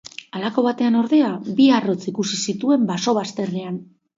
Halako batean ordea, bi arrotz ikusi zituen baso bazterrean.